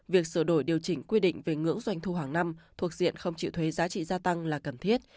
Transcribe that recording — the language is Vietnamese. việc sửa đổi điều chỉnh quy định về ngưỡng doanh thu hàng năm thuộc diện không chịu thuế giá trị gia tăng là cần thiết